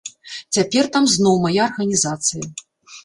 Цяпер там зноў мая арганізацыя.